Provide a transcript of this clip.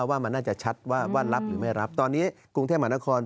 ว่ามันน่าจะชัดว่ารับหรือไม่รับตอนนี้กรุงเทพมหานคร